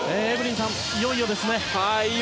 いよいよですね。